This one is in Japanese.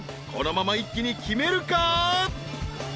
［このまま一気に決めるか？］